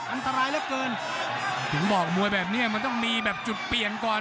อันตรายเหลือเกินถึงบอกมวยแบบนี้มันต้องมีแบบจุดเปลี่ยนก่อน